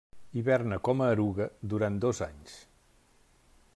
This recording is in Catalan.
Hiberna com a eruga durant dos anys.